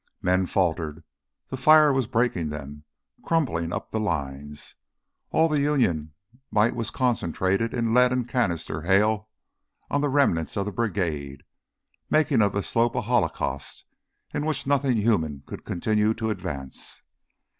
Men faltered, the fire was breaking them, crumpling up the lines. All the Union might was concentrated in a lead and canister hail on the remnants of the brigade, making of the slope a holocaust in which nothing human could continue to advance.